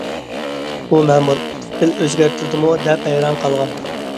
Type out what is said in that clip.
بۇ مەمۇر: ئىستىل ئۆزگەرتىلدىمۇ؟ دەپ ھەيران قالغان.